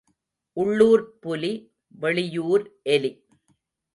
உள்ளூர்ப் புலி, வெளியூர் எலி.